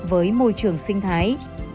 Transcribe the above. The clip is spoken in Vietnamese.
với môi trường sinh thái